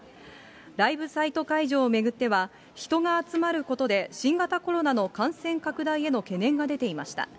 ライブサイト会場を巡っては、人が集まることで新型コロナの感染拡大への懸念が出ていました。